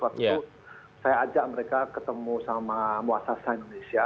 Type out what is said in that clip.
waktu itu saya ajak mereka ketemu sama muasasa indonesia